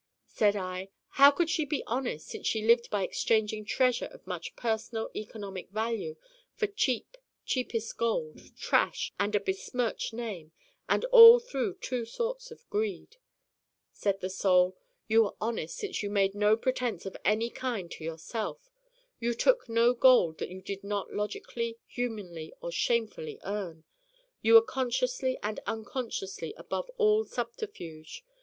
Said I: 'How could she be honest, since she lived by exchanging treasure of much personal economic value for cheap cheapest gold, trash, and a besmirched name: and all through two sorts of greed?' Said the Soul: 'You were honest since you made no pretense of any kind to yourself. You took no gold that you did not logically, humanly or shamefully earn. You were consciously and unconsciously above all subterfuge.